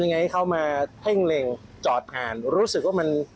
ยังไงเขามาเท่งเล็งจอดการรู้สึกว่ามัน